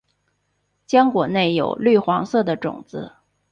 浆果内有绿黄色的种子。